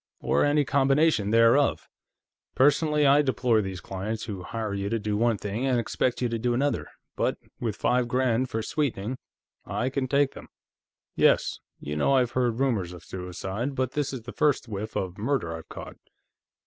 Or any combination thereof. Personally, I deplore these clients who hire you to do one thing and expect you to do another, but with five grand for sweetening, I can take them." "Yes. You know, I've heard rumors of suicide, but this is the first whiff of murder I've caught."